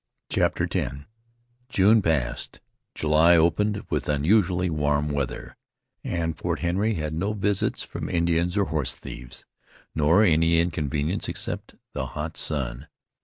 CHAPTER X June passed; July opened with unusually warm weather, and Fort Henry had no visits from Indians or horse thieves, nor any inconvenience except the hot sun.